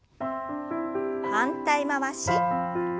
反対回し。